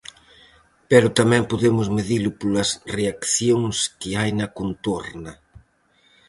Pero tamén podemos medilo polas reaccións que hai na contorna.